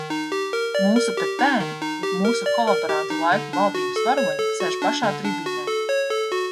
Mūsu petēni, jeb mūsu kolaborantu laika valdības varoņi sēž pašā tribīnē.